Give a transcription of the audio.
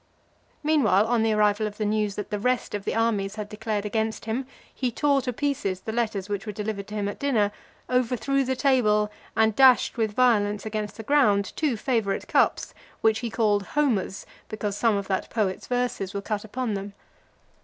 XLVII. Meanwhile, on the arrival of the news, that the rest of the armies had declared against him, he tore to pieces the letters which were delivered to him at dinner, overthrew the table, and dashed with violence against the ground two favourite cups, which he called Homer's, because some of that poet's verses were cut upon them.